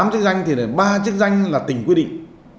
tám chức danh thì ba chức danh là tỉnh quy định